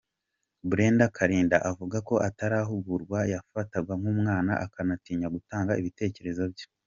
Brenda Kalinda avuga ko atarahugurwa yafatwaga nk’umwana akanatinya gutanga ibitekerezo bye.